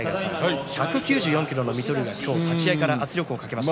１９４ｋｇの水戸龍が立ち合いから圧力をかけました。